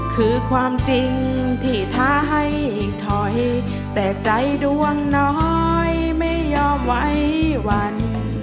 คือความจริงที่ท้าให้ถอยแต่ใจดวงน้อยไม่ยอมไว้วัน